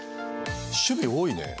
趣味多いね。